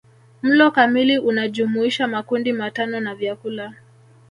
Mlo kamili unajumuisha makundi matano ya vyakula